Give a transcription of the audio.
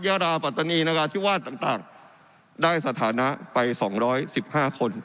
ยาราปัตตานีนราธิวาสต่างได้สถานะไป๒๑๕คน